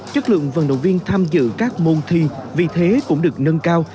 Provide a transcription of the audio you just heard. chất lượng vận động viên tham dự các môn thi vì thế cũng được nâng cao